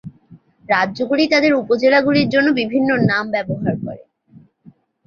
রাজ্যগুলি তাদের উপ-জেলাগুলির জন্য বিভিন্ন নাম ব্যবহার করে।